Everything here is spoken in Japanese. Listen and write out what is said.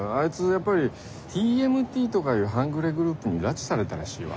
やっぱり「ＴＭＴ」とかいう半グレグループに拉致されたらしいわ。